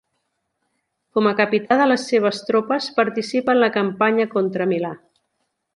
Com a capità de les seves tropes, participa en la campanya contra Milà.